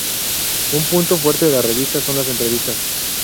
Un punto fuerte de la revista son las entrevistas.